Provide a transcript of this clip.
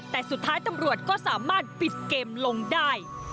แต่สุดท้ายตำรวจก็สามารถปิดเกมลงได้